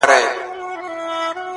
د رنگونو په کتار کي يې ويده کړم